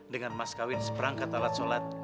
dengan mas kawin seperangkat alat sholat